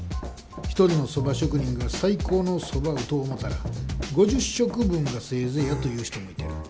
一人の蕎麦職人が最高の蕎麦を打とう思たら５０食分がせいぜいやという人もいてる。